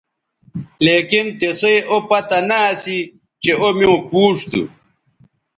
لیکن تسئ او پتہ نہ اسی چہء او میوں پوچ تھو